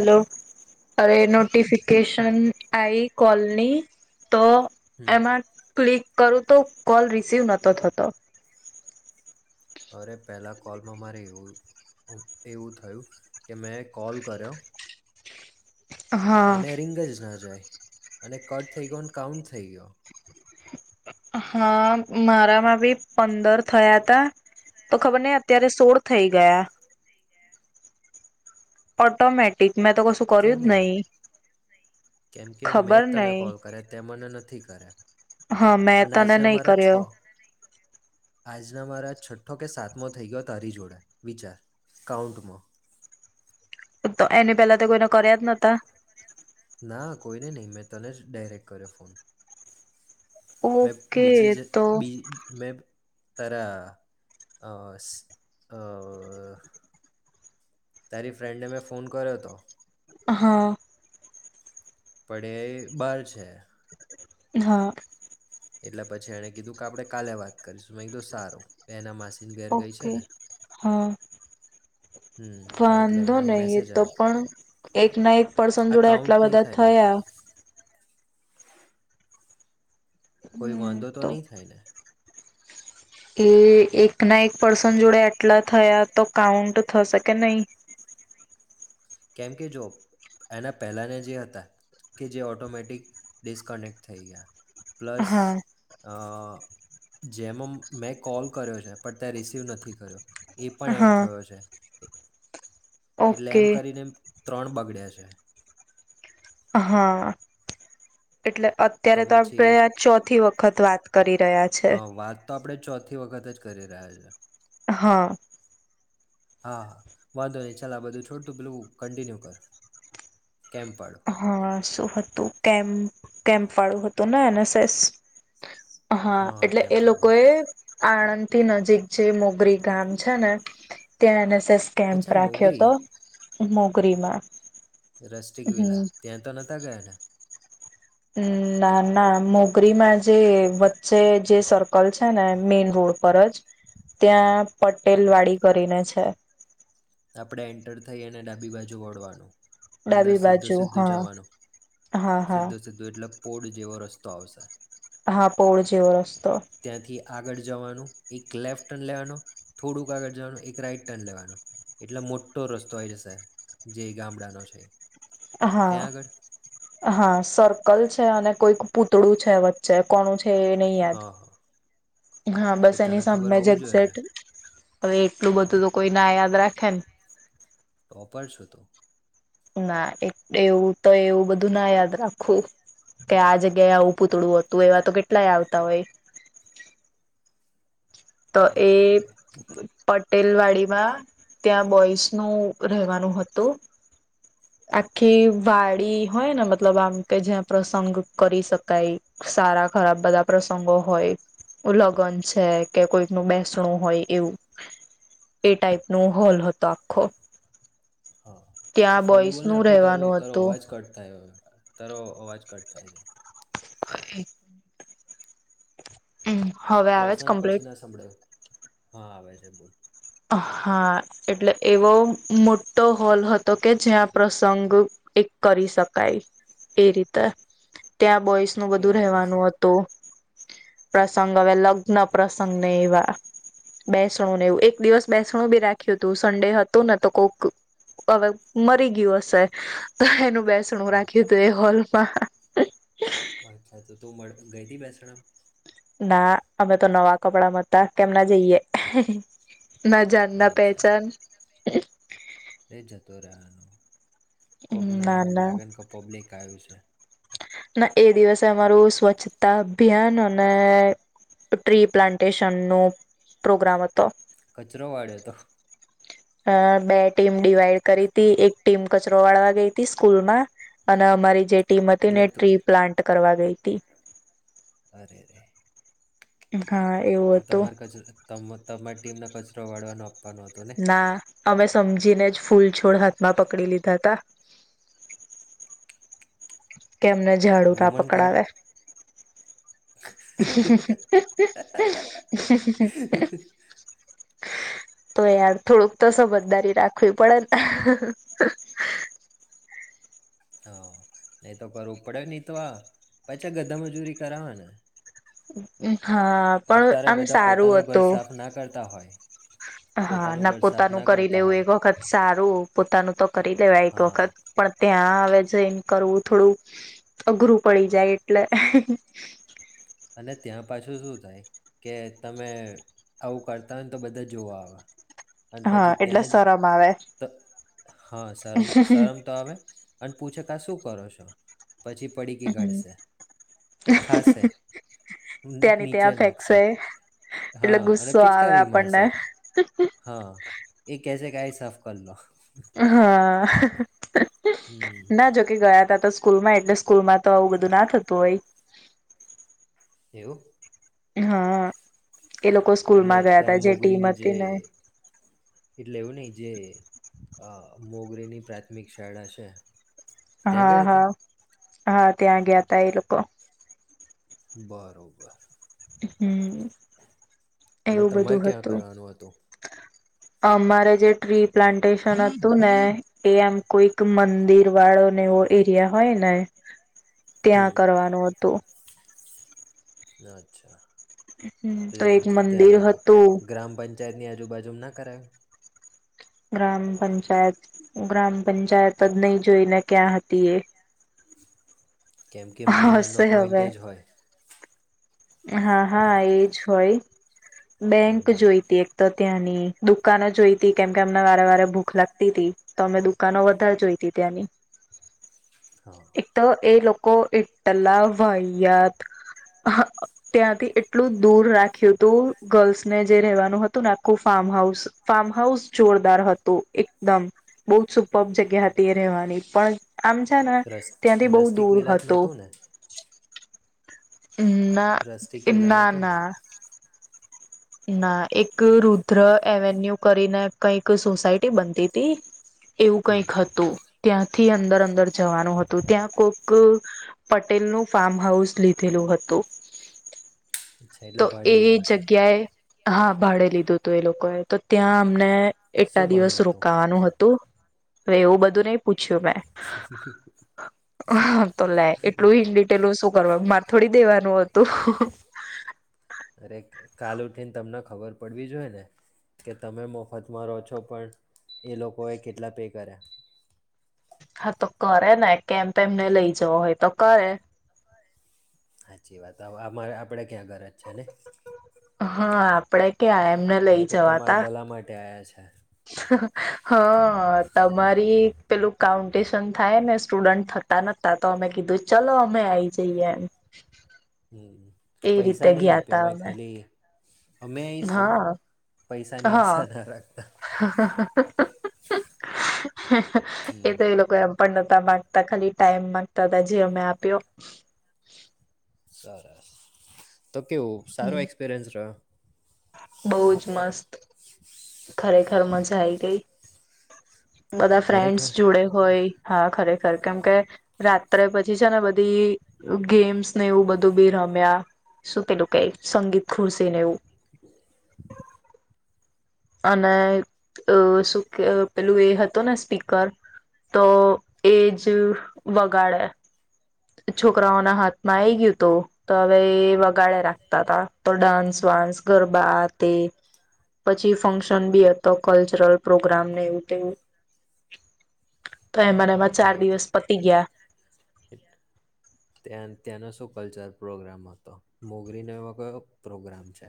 Hello અરે નો notification આઈ કોલની. તો એમાં ક્લિક કરું તો કોલ રિસીવ નતો થતો. અરે પહેલા કોલમાં મારે એવું એવું થયું કે મેં કોલ કર્યો હા અને રિંગ જ ના જાય. અને કટ થઈ ગયો. અને કાઉન્ટ થઈ ગયો. હા મારા માં ભી પંદર થયા હતા. તો ખબર નઈ અત્યારે સોળ થઈ ગયા. ઓટોમેટિક મેં તો કશું કર્યું જ કેમનું, નહી કેમ કે મેં ખબર જ તને નઈ કોલ કર્યા. તે મને નથી કર્યા. હા મેં અને તને આજના નહી મારે છ કર્યો આજના મારા છઠ્ઠો કે સાતમો થઈ ગયો. તારી જોડે વિચાર! કાઉન્ટમાં. તો એની પેલા તો કોઈને કર્યા જ નહતા.? ના કોઈને નહીં, મેં તને જ ડાયરેક્ટ કર્યો ફોન. મે ઓકે બીજી જ તો બી મે તરા અસ અઅ તારી, ફ્રેંન્ડને મેં ફોન કર્યો હતો. હાઆઆ. પણ, એ એ બાર છે. હાઆઆ. એટલે પછી એને કીધું કે, આપણેે કાલે વાત કરીશું મે કહ્યું સારુ એના માસી ઓકે હા! હમ એટલે વાંધો એને નહી એ મેસેજ તો આવ્યો પણ, એક ના એક પર્સન આ જોડે કાઉન્ટ આટલા નહીં બધા થાય ને થયા કોઈ વાંધો તો નહી થાય ને? એ એક ના એક પર્સન જોડે આટલા થયા તો, કાઉન્ટ થશે કે નહી? કેમ કે જો, એના પહેલાના જે હતા. કે જે ઓટોમેટિક ડિસકનેક્ટ થઈ ગયા. પ્લસ હા અ જેમાં મેં કોલ કર્યો છે. પણ તે રિસીવ નથી કર્યો. એ પણ હા એડ થયો છે. એટલે એમ ઓકે. કરીને ત્રણ બગડ્યાં છે. હાઆઆ એટલે, અત્યારે તો આપણે આ ચોથી વખત વખત વાત કરી રહ્યા છે હા! વાત તો આપડે ચોથી વખત જ કરી રહ્યા છે. હા. હા હા વાંધો નહી ચાલ, આ બધું છોડ તું પેલું કન્ટિન્યુ કર. કેમ પણ હા શું હતું? કેમ્ કેમ્પ વાળું હતું ને એનએસેસ હા! એટલે કેમ એ પાડો લોકો હતો એ આણંદ થી ન [inaudible] મોગરી ગામ છે ને ત્યાં એને [inaudible] સ કેમ્પ અચ્છા રાખ્યો મોગરી તો મોગરીમાં. રસ્ટિક વિલા હમ ત્યાં તો નતા ગયા ને.? ના ના મોગરીમાં જે વચ્ચે જે સર્કલ છે ને મેઈન રોડ પર જ ત્યાં પટેલ વાડી કરીને છે. આપડે એન્ટર થઈ અને ડાબી બાજુ વળવાનું અંદર ડાબી સીધું બાજુ સીધું હા જવાનું હા હા સીધું સીધું એટલે પોડ જેવો રસ્તો આવશે. હા પોળ જેવો રાસ્તો ત્યાંથી આગળ જવાનું એક લેફ્ટ ટર્ન લેવાનું થોડુંક આગળ જવાનું એક રાઈટ ટર્ન લેવાનું એટલો મોટો રસ્તો આય જસે જે ગામડાનો છે. હા ત્યાં આગળ હા સર્કલ છે અને. કોઈ પૂતળું છે વચ્ચે કોણું છે. છે નહી યાદ હા હા હા બસ એ એની તને ખબર સામેમે જ હોવું જોઈએ ને એક્ઝેક્ટ હવે એટલું બધું તો કોઈ. ના યાદ રાખેન. ટોપર છ તો. ના એવું તો એવું બધું ના યાદ રાખું કે આ જગ્યાએ આવું પૂતળું હતું એવા તો કેટલાય આવતા હોય. તો અરે એ. અરે પટેલ વાડીમાં ત્યાં બોઈસ નું રહેવાનું હતું આખી વાડી હોય ને મતલબ આમ કે જ્યાં પ્રસંગ કરી શકાય સારા ખરાબ બધા પ્રસંગો હોય લગ્ન છે. કે કોઈક ન બેસણું હોય એવું એ ટાઈપ નુ હોલ હતો આખો. હા ત્યાં ફરી બોલને બોઈસનું આખો તારો રહેવાનું તારો હતું અવાજ કટ થાય. તારો અવાજ કટ થાય છે. હ એક. હમ. પ્રસંગ પછી ના સંભળે. હા ભાઈ સાહેબ બોલ. હા એટલે એવો મોટો હોલ હતો કે જ્યાં પ્રસંગ એક કરી શકાય એ રીતે ત્યાં. બોયસ નું બધું કેવા પ્રસંગ રહેવાનું હતું. પ્રસંગ હવે લગ્ન પ્રસંગને એવા બેસણું ને એવું એક. દિવસ બેસણું બી રાખ્યું હતું સન્ડે હતું ને તો કોક હવે મરી ગયું હશે અ એનું. બેસણું હા રાખી્યું તોું એ હોલ. હ હા. અચ્છા તો તું મળ ગઈ હતી બેસણ. ના અમે તો નવા કપડા મ હતા કેમ ના જઈએ. ના જના અચ્છા પહેચાન. કોક નામ ના ના લાગે કો પબ્લિક આવ્યું છે. ના એ દિવસે અમારું સ્વચ્છતા અભિયાન અને ટ્રી પ્લાન્ટેશન નો પ્રોગ્રામ હતો. કચરો વાળ્યો તો. અ બે ટીમ ડિવાઈડ કરી હતી એક ટીમ કચરો વાળવા ગઈ હતી સ્કૂલ માં અને અમારી જે. એટલે કિમતી તું ટ્રી પ્લાન્ટ કરવા ગઈ હતી. અરે અરે. હા એવું તો હતું તમાર કચ તમ. તમારી ટીમનો કચરો વાળવાનો. આપવાનો હતો ને ના અમે. સમજીને જ ફૂલછોડ હાથમાં પકડી લીધા ત. [inaudible] કે એમને ઝાડુ કા વુમન પકડાવે. કાર્ડ તો યાર થોડુંક તો સમજદારી રાખવી પડે ને. હા, નય તો કરું પડે નય તો આ પાછા ગધા મજૂરી કરાવેને. હમ. અત્યારે બધા પોતાનું ઘર સાફ ના કરતા હોય હા, પોતાનું ના ઘર સાફ પોતાનું ના કરી કરતા લેવું હોય એક વખત સારું પોતાનું તો કરી દેવાય એક હા વખત પણ ત્યાં હવે જઈને કરવું થોડું અઘરું પડી જાય એટલે અને ત્યાં પાછું શું થાય કે તમે આવું કરતા હોય ને તો બધા જોવા આવે. અને હા પછી એટલે ત્યાં જ શરમ આવે તો હા શરમ શરમ તો આવે [inaudible] શું કરો છો? પછી પડીકી હમ કાઢશે, ખાશે. ત્યાંની નીચે ત્યાં નાખશે ફેંકશે એટલે હા અને ગુસ્સો આવે પિચકારી આપણને મારશે હા એ કેશે ગેસ ઓફ કર લો. હા. હમ ના જોકે ગયા હતાં. સ્કૂલ માં એટલે સ્કૂલમાં તો આવું બધું ના થતું હોય. એવું. હા. એ લોકો એટલે સ્કૂલમાં ગયા હતા ત્યાં જે ટીમ મોગરીની જે હતી ને એટલે એવું નહીં જે અ મોગરેની પ્રાથમિક શાળા છે. ત્યાં હા, ગયા હતા હા. હા ત્યાં ગ્યા તાા એ લોકો. બરોબર. હમ્મ અને તમારે ક્યાં કરવાનું હતું? અમારે જે ટ્રી પ્લાન્ટેશન હતું ને એ આમ કોઈક મંદિર વાળોને એવો એરિયા હોય ને ત્યાં હમ. કરવાનું હતું. અચ્છા. તો એક મંદિર હતું. એક બાજુ ના કરાય. ગ્રામ પંચાયત, ગ્રામ પંચાયત જ નહી જોઈને ક્યાં હતી એ. કેમ કે મેઈન એમનો હશે પોઈન્ટ હવે એ જ હોય. હા હા એજ હોય. બેંક હમ જોઈતી એક. તો ત્યાંની દુકાનો જોઈતી કેમ કે અમને વારે વારે ભૂખ લાગતી તી તો અમે દુકાનો વધારે જોઈતી ત્યાંની. હા એક તો એ લોક એટલા વાહિયાત હ્ ત્યાંથી એટલું દૂર રાખ્યું હતું ગર્લ્સ ને જે રેવાનું હતું ને આખું ફાર્મ હાઉસ ફાર્મ હાઉસ જોરદાર હતું એકદમ બહું જ સુપબ જગ્યા હતી એ રેવાની પણ આમ છે ને ર ત્યાંથી બહુ રસતિક દૂર વિલાત હતું. નોતું ને ના રસ્ટિક વિલા ના નહોતું ને ના. હા. ના એક રૂ ધ્ર એવન્યુ કરીને કંઈક સોસાયટી બનતી હતી. એવું હમ. કઈક હતું. ત્યાંથી અંદર અંદર જવાનું હતું [unintelligible] કોક પટેલનુંું ફાર્મ હાઉસ લીધેલું હતું. અચ્છા એટલે તો ભાડે એ લીધું હશે. જગ્યાએ. હા ભાડે લીધું હતું એ [inaudible] તો ત્યાં અમને. એટલા શું દિવસ ભાડું હતું? રોકાવાનું હતું. એવું બધું નઈ પૂછ તો લે એટલું ઇન ડિટેલ શું કરવા થોડી દેવા નુ હતું. અરે કાલ ઉઠીને તમને ખબર પડવી જોઈએ ને કે તમે મફતમાં રહો છો પણ એ લોકોએ કેટલા પે કર્યા. હા તો કરે ને કેમ તેમને લઈ જવો હોય તો કરે. સાચી વાત આપડે ક્યાં ઘર જ છે ને. હા આપડે. ક્યાં એમને લઈ અમે તો જવા તમારા તા. ભલા માટે આવ્યા છે હ હા તમારી પેલું કાઉન્ટિશન થાય ને સ્ટુડન્ટ થતા નતા તો અમે કીધું ચલો અમે આવી જઈએ એમ હમ એ રીતે પૈસા નહી ગયા આપે તા અમે ખાલી અમે આઇ શું હા પૈસાની આશા ના રાખતા. હ હ એ હમ તો એ લોકો કએ આમ પણ નતા મામાંગતા ખાલી ટાઈમ માંગતા હતા જે અમે આપ્યો. સરસ. તો કેવું સારો એક્સપીરિયન્સ રહ્યો. બહુ જ મસ્ત. ખરેખર મજા આઈ ગઈ. બધા ફ્રેન્ડસ ખરેખર જોડે હોય હા, ખરેખર કેમકે રાત્રે પછી છે ને બધી ગેમ્સ ને એવું બધું બી રમ્યા સુ કીધું કે સંગીત ખુરશી ને એવું [inaudible] અને અ શું કે પેલું એ હતું ને સ્પીકર તો એજ વગાડે છોકરાઓના હાથમાં આઈ ગયું હતું તો હવે વગાડે રાખતા તા તો ડાન્સ વાન્સ ગરબા આ તે પછી ફંક્શન બી હતો કલ્ચરલ પ્રોગ્રામને એવું તેવું તો એમા ને એમાં ચાર હા એટલે દિવસ પતી ગયા ત્યા ત્યાંનો શું કલ્ચર પ્રોગ્રામ હતો, મોગરીનો એવો કયો પ્રોગ્રામ છે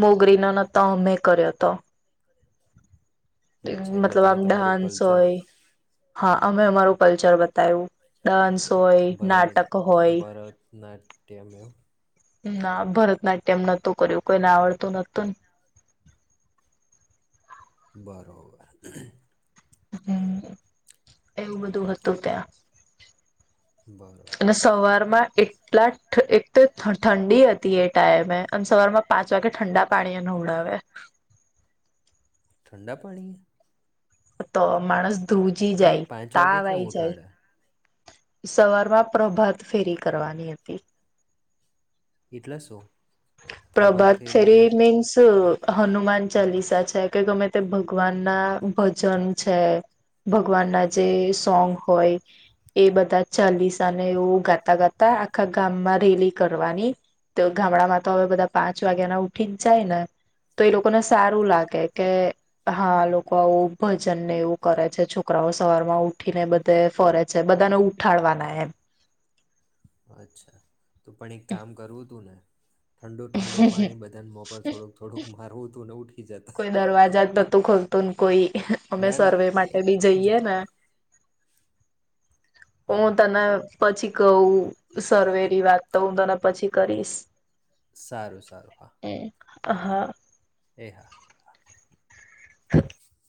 મોગરીનો ન તો અમે કર્યો તો અચ્છા એટલે મતલબ તમે આમ તમારું ડાન્સ કલ્ચર હોય હા, અમે અમારુ કલ્ચર બતાયું ડાસ ભરત, ભરતનાટ્યમ એવું ના ભરતનાટ્યમ નતું કર્યું, કોઈને આવડતું નતુંને બરોબર હમ, એવું બધું હતું ત્યાં બરોબર અને સવાર માં એટલા એક તો ઠંડી હતી એ ટાઈમે અનેમ સવાર માં પાંચ વાગે ઠંડા પાણી એ નવડાવે ઠંડાડા પાણીએ તો માણસ ધ્રુજી એ જાય, પાંચ વાગે તાવ કેમ આઇ જાય ઉઠાડે સવાર માં પ્રભાત ફેરી કરવાની હતી. એટલે શું? પ્રભાત ફેરી મીન્સ હનુમાન ચાલીસા છે કે ગમે તે ભગવાન ના ભજન છે, ભગવાન ના જે સોંગ હોય, એ બધા ચાલીસા ને એવું ગાતા ગાતા આખા ગામમાં રેલી કરવાની, તો ગામડામાં તો હવે બધા પાંચ વાગ્યા ના ઉઠી જ ચાલ્યા, ને તો એ લોકોને સારું લાગે કે હા લોકો આવું ભજન ને એવું કરે છે છોકરાઓ સવાર માં ઉઠીને બધે ફરે છે બધાને ઉઠાડવાના એમ. અચ્છા. તો પણ એક કામ કરવું હતું ને. ઠંડુ ઠંડુ પાણી બધા મો પર થોડુંક થોડુંક મારવું હતું ન ઉઠ કોઈ દરવાજા જ બતું ખોલતું કોઈ. અમે ના ના સર્વે એ માટે બી જો જઈએ ને. પો હા તને પછી કહું સર્વેની વાત તો હું તને પછી કરીશ. સારું સારું હા હમ હા એ હા [inaudible]